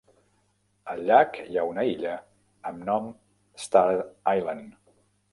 Al llac hi ha una illa amb nom: Star Island.